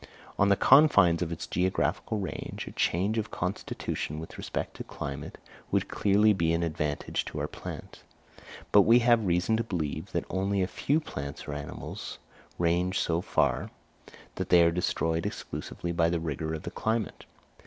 On the confines of its geographical range, a change of constitution with respect to climate would clearly be an advantage to our plant; but we have reason to believe that only a few plants or animals range so far, that they are destroyed exclusively by the rigour of the climate.